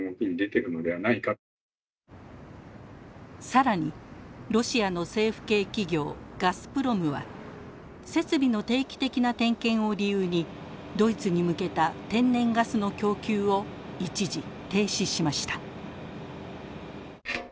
更にロシアの政府系企業ガスプロムは設備の定期的な点検を理由にドイツに向けた天然ガスの供給を一時停止しました。